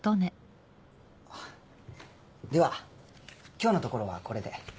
では今日のところはこれで。